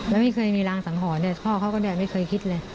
แล้วไม่เคยมีรางสังหรณ์พ่อเขาก็ไม่เคยคิดเลย